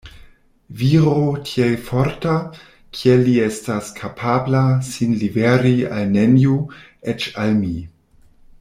Viro tiel forta kiel li estas kapabla sin liveri al neniu, eĉ al mi.